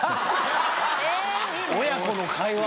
親子の会話。